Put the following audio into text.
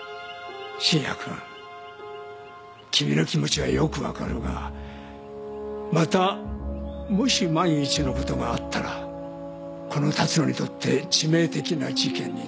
信也君君の気持ちはよく分かるがまたもし万一のことがあったらこの龍野にとって致命的な事件になる。